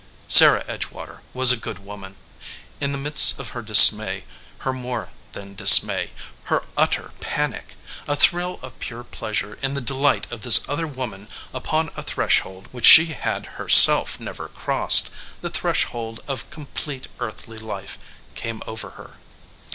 Sarah Edgewater was a good woman. In the midst of her dismay, her more than dismay, her utter panic, a thrill of pure pleasure in the delight of this other woman upon a threshold which she had herself never crossed, the threshold of com plete earthly life, came over her.